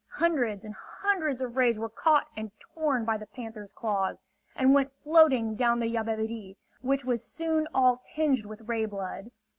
Hundreds and hundreds of rays were caught and torn by the panthers' claws, and went floating down the Yabebirì, which was soon all tinged with ray blood.